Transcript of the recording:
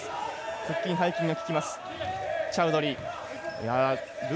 腹筋、背筋がききます。